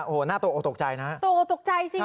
โอ้โหหน้าตัวโอตกใจนะฮะตัวโอตกใจสิ